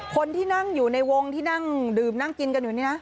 คนที่นั่งอยู่ในวงที่นั่งดื่มนั่งกินกันอยู่นี่นะ